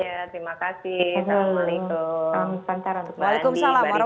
ya terima kasih assalamualaikum